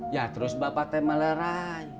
ya terus bapak tema leray